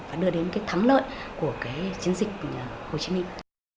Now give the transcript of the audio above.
và đưa đến cái thắng lợi của cái chiến dịch hồ chí minh